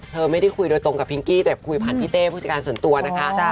ไม่ได้คุยโดยตรงกับพิงกี้แต่คุยผ่านพี่เต้ผู้จัดการส่วนตัวนะคะ